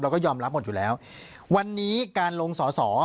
ก็ยอมรับหมดอยู่แล้ววันนี้การลงสอสอ